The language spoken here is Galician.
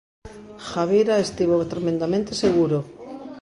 Javira estivo tremendamente seguro.